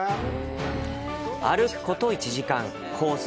歩くこと１時間コース